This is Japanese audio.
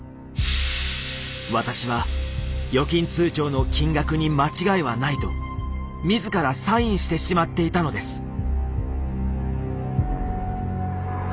私は預金通帳の金額に間違いはないと自らサインしてしまっていたのです。